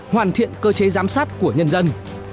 hoàn thiện cơ chế giám sát của nhân dân